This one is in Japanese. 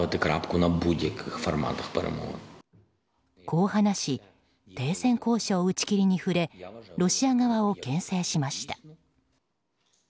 こう話し停戦交渉打ち切りに触れロシア側をけん制しました。